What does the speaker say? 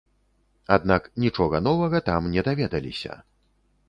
Аднак нічога новага там не даведаліся.